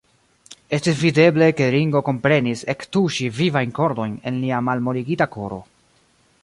Estis videble, ke Ringo komprenis ektuŝi vivajn kordojn en lia malmoligita koro.